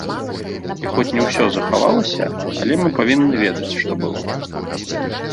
І хоць не ўсё захавалася, але мы павінны ведаць, што было.